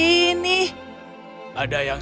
itu itu lebih melehuman